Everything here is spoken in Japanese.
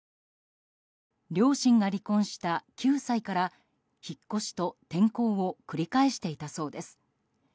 両親が離婚した９歳から引っ越しと転校を繰り返していたそうです。